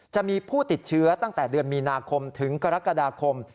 จะมีผู้ติดเชื้อตั้งแต่เดือนมีนาคมถึงกรกฎาคม